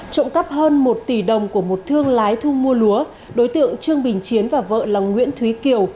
trộm cắp hơn một tỷ đồng của một thương lái thu mua lúa đối tượng trương bình chiến và vợ là nguyễn thúy kiều